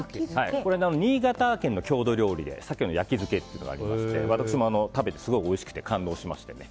新潟県の郷土料理で鮭の焼漬けってありまして私も食べて、すごくおいしくて感動しましてね。